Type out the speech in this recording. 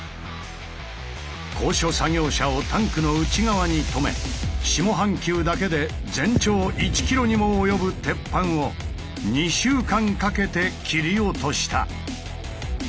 高所作業車をタンクの内側に止め下半球だけで全長１ｋｍにも及ぶ鉄板を２週間かけて切り落とした。